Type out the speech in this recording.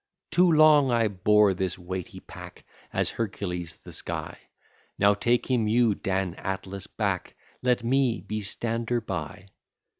Too long I bore this weighty pack, As Hercules the sky; Now take him you, Dan Atlas, back, Let me be stander by.